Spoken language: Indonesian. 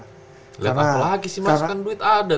gak apa apa lagi sih mas kan duit ada